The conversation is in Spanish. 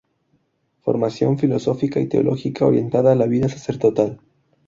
Formación filosófica y teológica orientada a la vida sacerdotal.